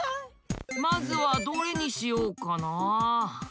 まずはどれにしようかな。